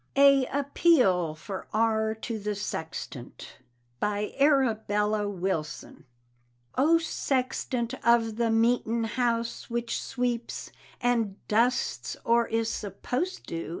A APELE FOR ARE TO THE SEXTANT. BY ARABELLA WILSON. O Sextant of the meetinouse which sweeps And dusts, or is supposed to!